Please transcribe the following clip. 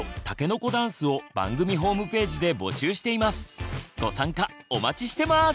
番組ではご参加お待ちしてます！